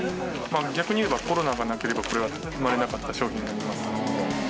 逆に言えばコロナがなければこれは生まれなかった商品になります。